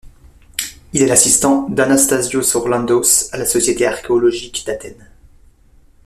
Il est l'assistant d’Anastassios Orlandos, à la société archéologique d’Athènes.